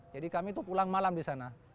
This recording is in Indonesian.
jadi kami itu pulang malam disana